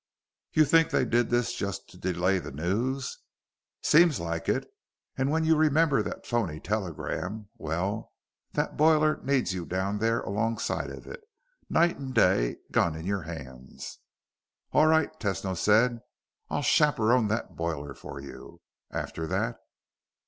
"You think they did this just to delay the news?" "Seems like it. And when you remember that phoney telegram well, that boiler needs you down there alongside of it, night and day, a gun in your hands." "All right," Tesno said. "I'll chaperone the boiler for you. After that...."